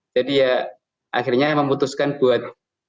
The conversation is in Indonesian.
jadi ya akhirnya memutuskan buat